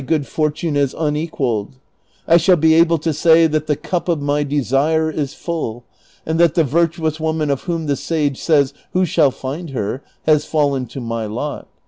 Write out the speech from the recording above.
good fortune as unequalled, I shall be able to say that the cup of my desire is full, and that the virtuous woman of whom the sage says, ' Who shall find her ?'' has fallen to my lot.